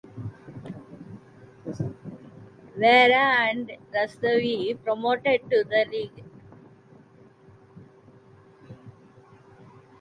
Vera and Rustavi promoted to the league.